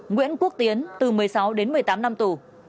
nguyễn quốc tiến từ một mươi sáu đến một mươi tám năm tù